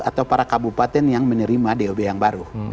atau para kabupaten yang menerima dob yang baru